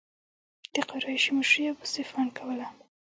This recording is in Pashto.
د قریشو مشري ابو سفیان کوله.